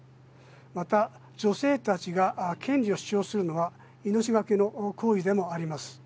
また女性たちが権利を主張するのは命がけの行為でもあります。